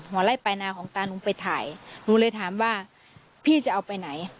ไล่ปลายนาของตาหนูไปถ่ายหนูเลยถามว่าพี่จะเอาไปไหน